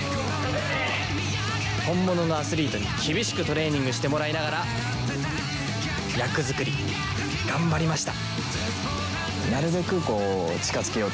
本物のアスリートに厳しくトレーニングしてもらいながら役作り頑張りました。